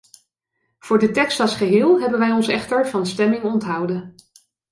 Voor de tekst als geheel hebben wij ons echter van stemming onthouden.